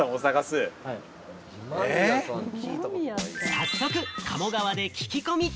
早速、鴨川で聞き込み。